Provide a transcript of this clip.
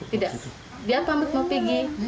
tidak dia pamit mau pergi